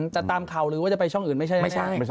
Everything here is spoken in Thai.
แต่ตามเขาเลยว่าจะไปช่องอื่นไม่ใช่ไหม